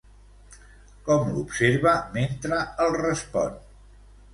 Com l'observa mentre el respon?